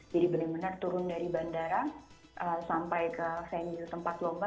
jadi benar benar turun dari bandara sampai ke venue tempat lomba